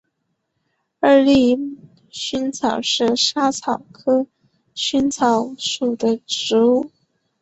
二籽薹草是莎草科薹草属的植物。